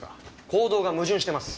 行動が矛盾してます。